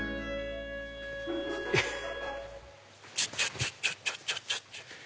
ちょっとちょっとちょっとちょっと！